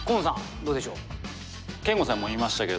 どうでしょう？